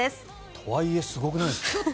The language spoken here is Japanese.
とはいえすごくないですか。